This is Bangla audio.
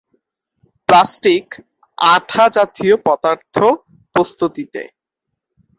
প্লাস্টিক, আঠা জাতীয় পদার্থ প্রস্তুতিতে।